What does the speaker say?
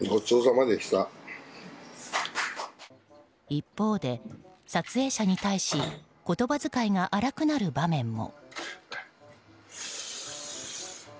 一方で、撮影者に対し言葉使いが荒くなる場面も。